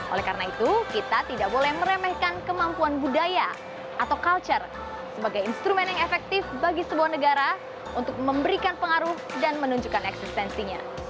oleh karena itu kita tidak boleh meremehkan kemampuan budaya atau culture sebagai instrumen yang efektif bagi sebuah negara untuk memberikan pengaruh dan menunjukkan eksistensinya